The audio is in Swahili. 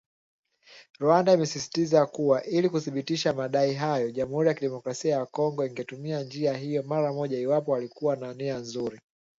Rwanda imesisistiza kuwa ili kuthibitisha madai hayo , Jamhuri ya Kidemokrasia ya Kongo ingetumia njia hiyo mara moja iwapo walikuwa na nia nzuri